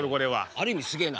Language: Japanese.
ある意味すげえな。